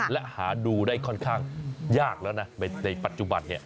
และหาดูได้ค่อนข้างยากแล้วนะในปัจจุบัน